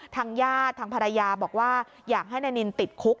ทางญาติทางภรรยาบอกว่าอยากให้นายนินติดคุก